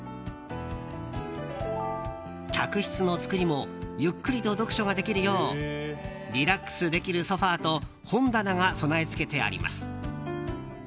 客室の作りもゆっくりと読書ができるようリラックスできるソファと本棚が備え付けてあります。